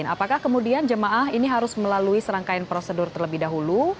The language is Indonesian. apakah kemudian jemaah ini harus melalui serangkaian prosedur terlebih dahulu